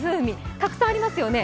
たくさんありますよね。